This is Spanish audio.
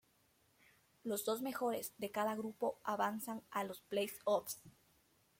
Los dos mejores de cada grupo avanzan a los play-offs.